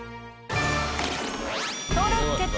登録決定！